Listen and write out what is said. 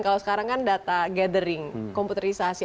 kalau sekarang kan data gathering komputerisasi